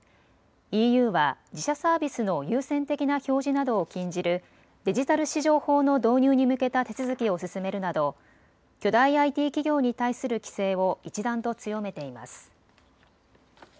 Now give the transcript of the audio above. ＥＵは自社サービスの優先的な表示などを禁じるデジタル市場法の導入に向けた手続きを進めるなど、巨大ＩＴ企業に対する規制を一段と強めています。